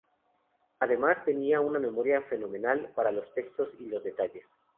Además, tenía una memoria fenomenal para los textos y los detalles.